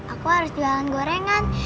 aku harus jualan gorengan